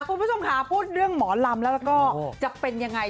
คุณผู้ชมค่ะพูดเรื่องหมอลำแล้วก็จะเป็นยังไง